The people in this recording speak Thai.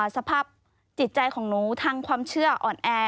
สภาพจิตใจของหนูทางความเชื่ออ่อนแอ